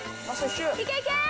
いけいけ！